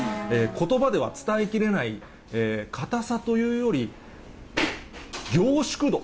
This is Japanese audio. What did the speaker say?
ことばでは伝えきれない、硬さというより、凝縮度。